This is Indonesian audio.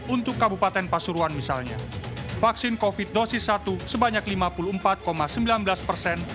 untuk kabupaten pasuruan misalnya vaksin covid dosis satu sebanyak lima puluh empat sembilan belas persen